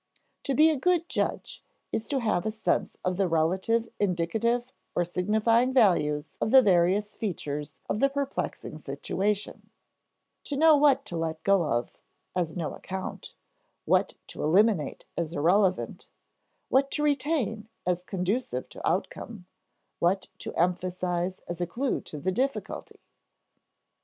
To be a good judge is to have a sense of the relative indicative or signifying values of the various features of the perplexing situation; to know what to let go as of no account; what to eliminate as irrelevant; what to retain as conducive to outcome; what to emphasize as a clue to the difficulty.